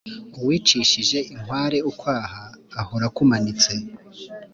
Uwicishije inkware ukwaha ahora akumanitse.